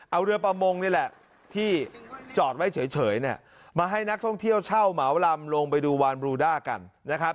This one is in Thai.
เอาเรือประมงนี่แหละที่จอดไว้เฉยเนี่ยมาให้นักท่องเที่ยวเช่าเหมาลำลงไปดูวานบรูด้ากันนะครับ